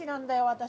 私。